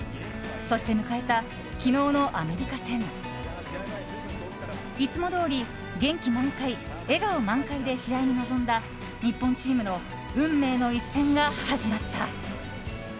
そして迎えた昨日のアメリカ戦。いつもどおり、元気満開笑顔満開で試合に臨んだ日本チームの運命の一戦が始まった。